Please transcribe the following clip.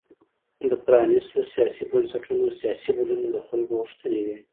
د پرانیستو سیاسي بنسټونو سیاسي بدلونونه د خلکو غوښتنې وې.